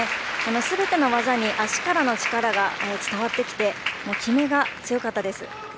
すべての技に足からの力が伝わってきて極めが強かったです。